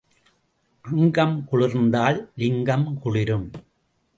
அங்கம் குளிர்ந்தால் லிங்கம் குளிரும்.